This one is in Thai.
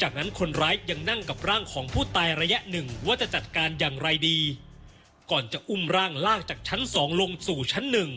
จากนั้นคนร้ายยังนั่งกับร่างของผู้ตายระยะหนึ่งว่าจะจัดการอย่างไรดีก่อนจะอุ้มร่างลากจากชั้นสองลงสู่ชั้นหนึ่ง